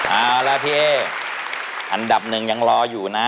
เอาละพี่อันดับหนึ่งยังรออยู่นะ